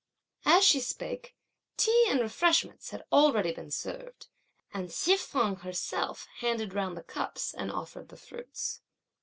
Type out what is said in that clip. As she spake, tea and refreshments had already been served, and Hsi feng herself handed round the cups and offered the fruits.